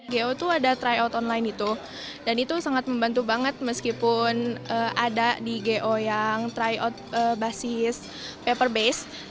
go itu ada tryout online itu dan itu sangat membantu banget meskipun ada di go yang tryout basis paper base